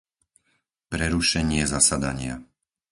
Prerušenie zasadania